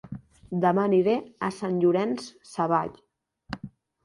Dema aniré a Sant Llorenç Savall